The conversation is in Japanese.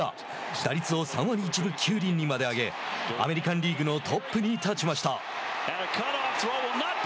打率を３割１分９厘にまで上げアメリカンリーグのトップに立ちました。